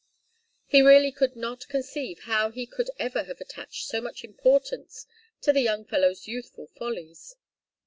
He really could not conceive how he could ever have attached so much importance to the young fellow's youthful follies.